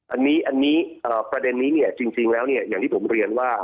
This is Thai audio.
อันนี้ประเด็นนี้เนี่ยจริงแล้วเนี่ยอย่างที่ผมเรียนว่า